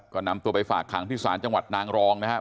ก็นำตัวไปฝากขังที่ศาลจังหวัดนางรองนะครับ